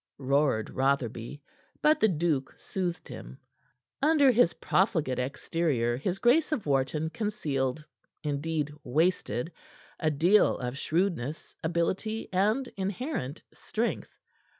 roared Rotherby. But the duke soothed him. Under his profligate exterior his Grace of Wharton concealed indeed, wasted a deal of shrewdness, ability and inherent strength.